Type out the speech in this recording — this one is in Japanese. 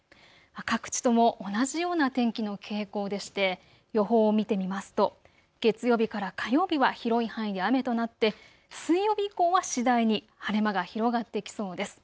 各地とも同じような天気の傾向でして予報を見てみますと月曜日から火曜日は広い範囲で雨となって水曜日以降は次第に晴れ間が広がってきそうです。